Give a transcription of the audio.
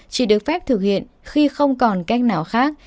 chỉ được phép thực hiện khi không còn cách nào khác